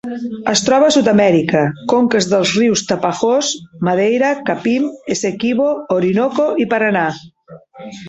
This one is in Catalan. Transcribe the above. Es troba a Sud-amèrica: conques dels rius Tapajós, Madeira, Capim, Essequibo, Orinoco i Paranà.